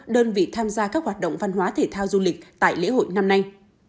đơn vị tham gia các hoạt động văn hóa thể thao du lịch tại lễ hội năm nay